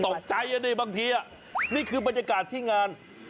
ตกใจอ่ะดิบางทีนี่คือบรรยากาศที่งาน